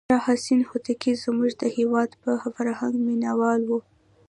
شاه حسین هوتکی زموږ د هېواد په فرهنګ مینو و.